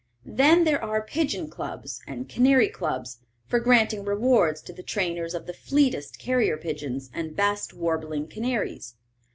Then there are pigeon clubs and canary clubs, for granting rewards to the trainers of the fleetest carrier pigeons and best warbling canaries.